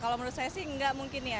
kalau menurut saya sih nggak mungkin ya